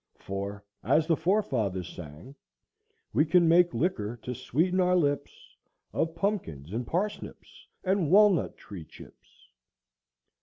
"For," as the Forefathers sang,— "we can make liquor to sweeten our lips Of pumpkins and parsnips and walnut tree chips."